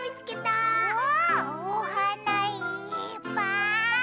わあおはないっぱい！